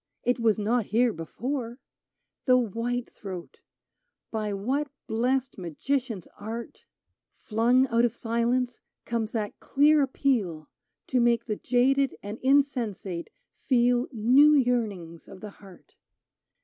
It was not here before ! The white thrpat ! By what blest magician's art — 134 VITA NUOVA Flung out of silence, comes that clear appeal, To make the jaded and insensate feel New yearnings of the heart